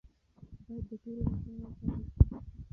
باید د ټولو لخوا وپالل شي.